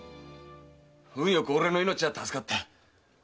運よく俺の命は助かった。